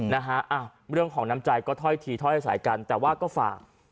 นะฮะอ่ะเรื่องของน้ำใจก็ถ้อยทีถ้อยสายกันแต่ว่าก็ฝาก